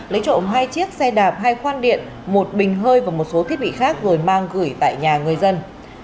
lấy trộm hai chiếc xe đạp hai khoan điện một bình hơi và một số thiết bị khác rồi mang gửi tại nhà người dân